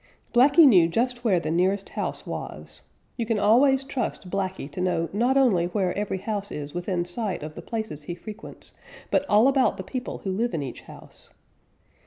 Blacky knew just where the nearest house was. You can always trust Blacky to know not only where every house is within sight of the places he frequents, but all about the people who live in each house.